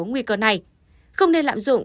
nguy cơ này không nên lạm dụng